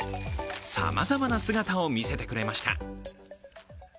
さまざまな姿を見せてくれました。